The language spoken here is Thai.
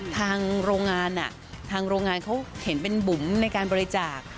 ทางโรงงานเขาเห็นเป็นบุ๋มในการบริจาค